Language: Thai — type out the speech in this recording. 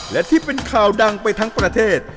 และที่เป็นข่าวดังไปทั้งประเทศ